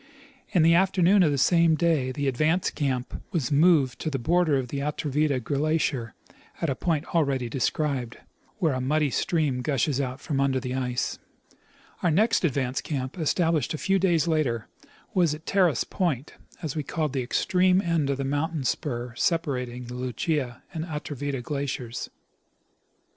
In the afternoon of the same day the advance caiiip was moved to the border of the Atrevida glacier at a point already described, where a muddy stream gushes out from under the ice. Contrast of Desolation and Verdure. 105 Our next advance camp, established a few days later, was at Terrace point, as' we called the extreme end of the mountain spur separating the Lucia and Atrevida glaciers.